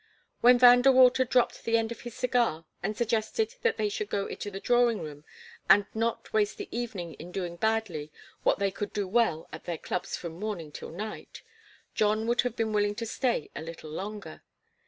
When Van De Water dropped the end of his cigar and suggested that they should go into the drawing room and not waste the evening in doing badly what they could do well at their clubs from morning till night, John would have been willing to stay a little longer.